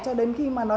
cho đến khi mà nó